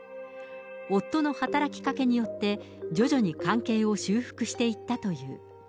夫の働きかけによって、徐々に関係を修復していったという。